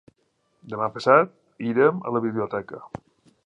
Demà passat irem a la biblioteca.